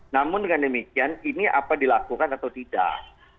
namun dengan demikian ini apa dilakukan atau tidak